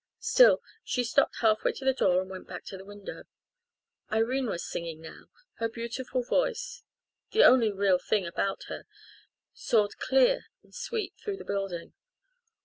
Still, she stopped half way to the door and went back to the window. Irene was singing now; her beautiful voice the only real thing about her soared clear and sweet through the building.